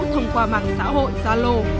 thông qua mạng xã hội zalo